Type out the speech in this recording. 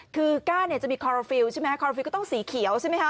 คือก้าจะมีคอลลอฟิลด์ใช่ไหมคอลลอฟิลด์ก็ต้องสีเขียวใช่ไหมคะ